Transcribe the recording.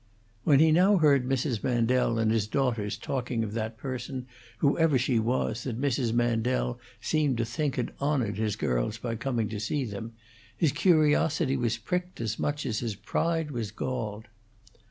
When he now heard Mrs. Mandel and his daughters talking of that person, whoever she was, that Mrs. Mandel seemed to think had honored his girls by coming to see them, his curiosity was pricked as much as his pride was galled.